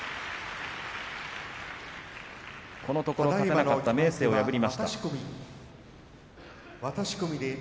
このところ勝てなかった明生を破りました。